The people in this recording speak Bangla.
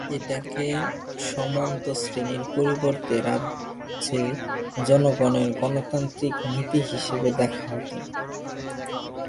এটাকে সামন্ত শ্রেণীর পরিবর্তে রাজ্যে জনগণের গণতান্ত্রিক নীতি হিসেবে দেখা হত।